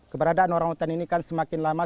keberadaan orangutan ini kan semakin lama